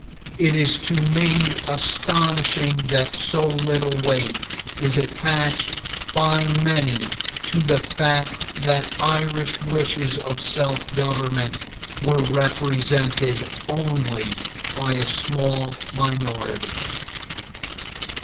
It is to me astonishing that so little weight is attached by many to the fact that Irish wishes of self government were represented only by a small minority.